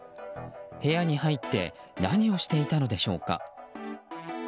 部屋に入って何をしていたのでしょうか。